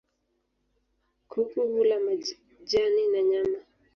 Kuku hula majani na nyama.